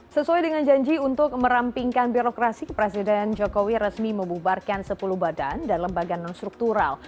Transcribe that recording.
sesuai dengan janji untuk merampingkan birokrasi presiden jokowi resmi membubarkan sepuluh badan dan lembaga nonstruktural